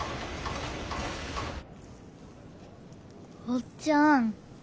おっちゃん。